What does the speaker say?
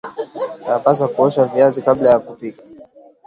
yapaasa kuosha viazi kabla ya kupika